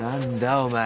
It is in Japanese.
お前。